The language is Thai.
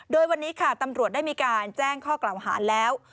โดยวันนี้ค่ะตำรวจได้มีการแจ้งข้อกล่าวหาแล้ว